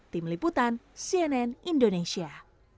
tim liputan cnn indonesia